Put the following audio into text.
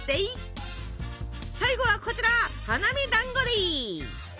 最後はこちら花見だんごでぃ！